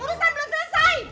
urusan belum selesai